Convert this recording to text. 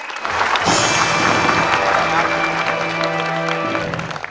แผ่นไหนครับ